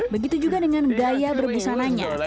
begitu juga dengan gaya berbusananya